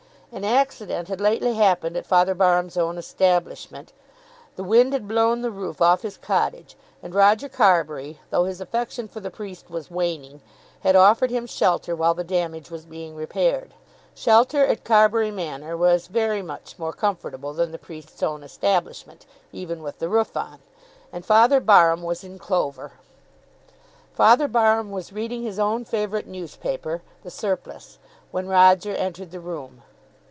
An accident had lately happened at Father Barham's own establishment. The wind had blown the roof off his cottage; and Roger Carbury, though his affection for the priest was waning, had offered him shelter while the damage was being repaired. Shelter at Carbury Manor was very much more comfortable than the priest's own establishment, even with the roof on, and Father Barham was in clover. Father Barham was reading his own favourite newspaper, "The Surplice," when Roger entered the room.